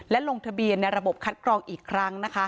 และลงทะเบียนในระบบคัดกรองอีกครั้งนะคะ